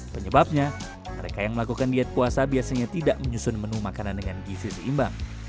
penyebabnya mereka yang melakukan diet puasa biasanya tidak menyusun menu makanan dengan gizi seimbang